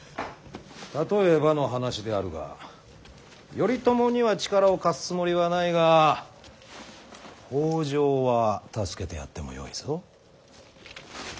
例えばの話であるが頼朝には力を貸すつもりはないが北条は助けてやってもよいぞ。